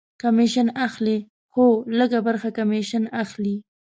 کمیشن اخلي؟ هو، لږ ه برخه کمیشن اخلی